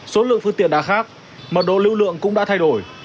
số lượng phương tiện đã khác mật độ lưu lượng cũng đã thay đổi